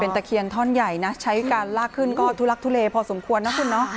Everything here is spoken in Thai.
ตะเคียนท่อนใหญ่นะใช้การลากขึ้นก็ทุลักทุเลพอสมควรนะคุณเนาะ